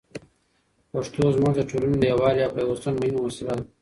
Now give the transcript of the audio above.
پښتو زموږ د ټولني د یووالي او پېوستون مهمه وسیله ده.